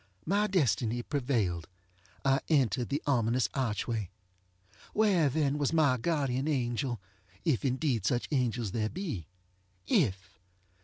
My destiny prevailed. I entered the ominous archway. Where then was my guardian angel? ŌĆöif indeed such angels there be. If!